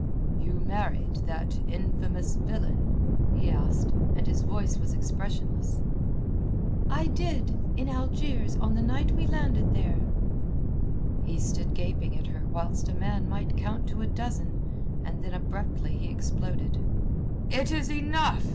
"You married that infamous villain?" he asked, and his voice was expressionless. "I did—in Algiers on the night we landed there." He stood gaping at her whilst a man might count to a dozen, and then abruptly he exploded. "It is enough!"